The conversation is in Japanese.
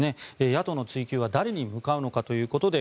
野党の追及は誰に向かうのかということで